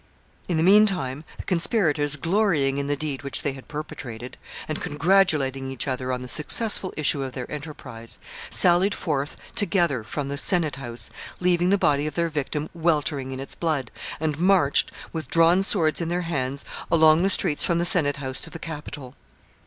] In the mean time, the conspirators, glorying In the deed which they had perpetrated, and congratulating each other on the successful issue of their enterprise, sallied forth together from the senate house, leaving the body of their victim weltering in its blood, and marched, with drawn swords in their hands, along the streets from the senate house to the Capitol.